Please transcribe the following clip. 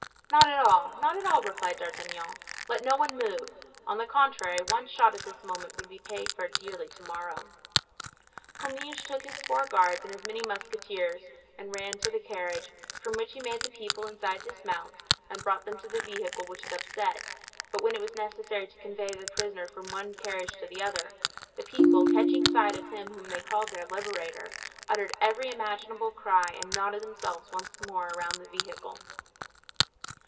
"Not at all—not at all," replied D'Artagnan; "let no one move. On the contrary, one shot at this moment would be paid for dearly to morrow." Comminges took his four guards and as many musketeers and ran to the carriage, from which he made the people inside dismount, and brought them to the vehicle which had upset. But when it was necessary to convey the prisoner from one carriage to the other, the people, catching sight of him whom they called their liberator, uttered every imaginable cry and knotted themselves once more around the vehicle.